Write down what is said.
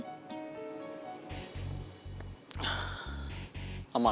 gue gak mau